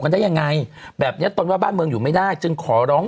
ได้ยังไงแบบเนี้ยตนว่าบ้านเมืองอยู่ไม่ได้จึงขอร้อง